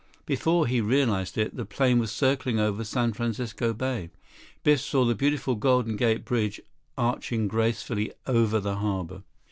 Before he realized it, the plane was circling over San Francisco Bay. Biff saw the beautiful Golden Gate Bridge, arching gracefully over the harbor.